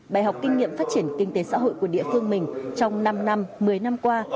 bài học kinh nghiệm phát triển kinh tế xã hội của địa phương mình trong năm năm một mươi năm qua